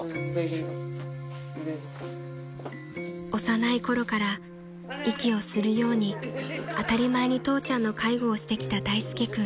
［幼いころから息をするように当たり前に父ちゃんの介護をしてきた大介君］